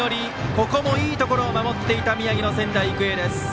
ここもいいところを守っていた宮城の仙台育英です。